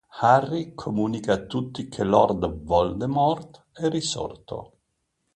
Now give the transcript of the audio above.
Harry comunica a tutti che Lord Voldemort è risorto.